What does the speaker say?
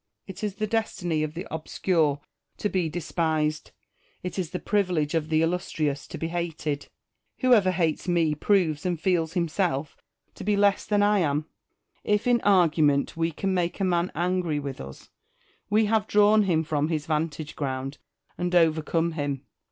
It is the destiny of the obscure to be de spised ; it is the privilege of the illustrious to be hated. Whoever hates me proves and feels himself to be less than I ain. If in argument we can make a man angry with us, we have drawn him from his vantage ground and overcome him.